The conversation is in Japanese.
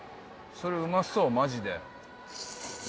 それうまそうマジで。